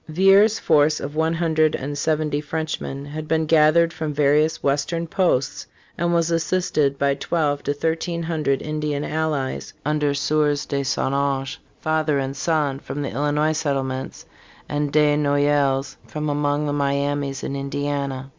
Villiers' force of one hundred and seventy Frenchmen had been gathered from various western posts and was assisted by twelve to thirteen hundred Indian allies, under Sieurs de Saint Ange, father and son, from the Illinois settlements, and De Noyelles, from among the Miamis in Indiana.